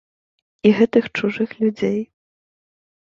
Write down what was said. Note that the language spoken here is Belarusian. І гэтых чужых людзей.